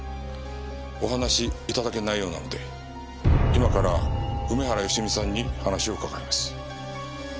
お話し頂けないようなので今から梅原芳美さんに話を伺います。